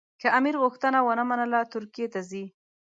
که امیر غوښتنه ونه منله ترکیې ته ځي.